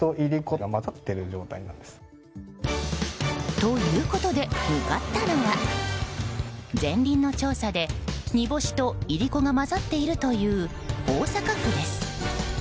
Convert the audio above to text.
ということで、向かったのはゼンリンの調査で煮干しといりこが交ざっているという大阪府です。